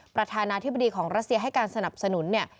ประธานาธิบดีของรัสเซียให้การสนับสนุนเนี่ย